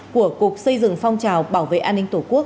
của cục xây dựng phong trang